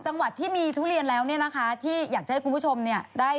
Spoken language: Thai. จังหวัดที่มีทุเรียนแล้วที่อยากจะให้คุณผู้ชมได้รักษา